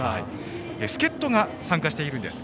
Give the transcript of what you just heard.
助っ人が参加しているんです。